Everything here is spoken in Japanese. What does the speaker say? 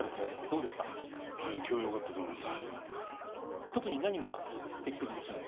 今日はよかったと思います。